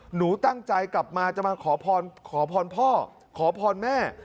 หนูตั้งใจกลับมาจะมาขอพรขอพรพ่อขอพรแม่